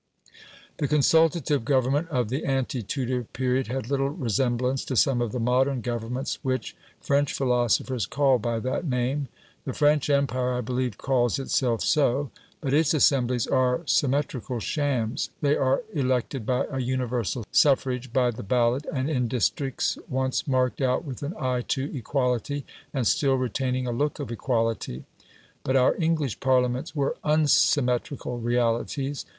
The consultative government of the ante Tudor period had little resemblance to some of the modern governments which French philosophers call by that name. The French Empire, I believe, calls itself so. But its assemblies are symmetrical "shams". They are elected by a universal suffrage, by the ballot, and in districts once marked out with an eye to equality, and still retaining a look of equality. But our English Parliaments were UNsymmetrical realities.